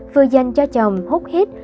vừa dành cho chồng hút hít